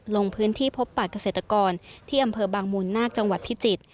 ลงพื้นที่พบปากเกษตรกรที่อำเภอบางมูลนาคจังหวัดพิจิตร